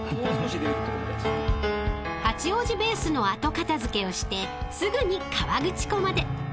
［八王子ベースの後片付けをしてすぐに河口湖まで］